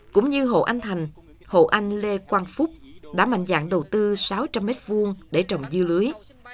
cũng như hộ anh thành hộ anh lê quang phúc đã mạnh dạng đầu tư sáu trăm linh m hai để trồng dưa lưới